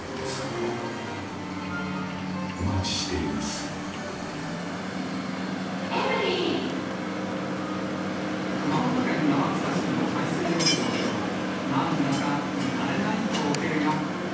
「ハミング」史上Ｎｏ．１抗菌熊本県天草市の海水浴場では、なんだか見慣れない光景が。